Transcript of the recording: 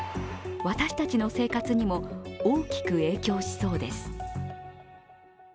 私たちの生活にも大きく影響しそうです。